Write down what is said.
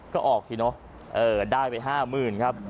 ก็ออกสิเนอะได้ไป๕๐๐๐ครับ